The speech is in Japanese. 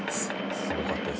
すごかったですよね。